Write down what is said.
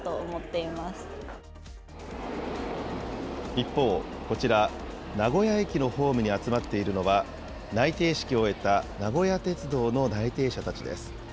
一方、こちら、名古屋駅のホームに集まっているのは、内定式を終えた名古屋鉄道の内定者たちです。